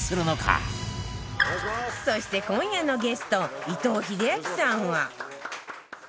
そして今夜のゲスト伊藤英明さんは